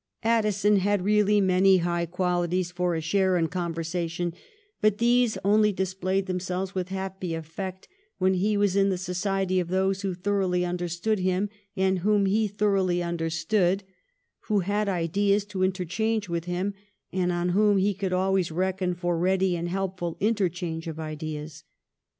Addison had really many high qualities for a share in conversation, but these only displayed themselves with happy effect when he was in the society of those who thoroughly understood him and whom he thoroughly understood, who had ideas to interchange with him, and on whom he could always reckon for ready and helpful interchange of ideas.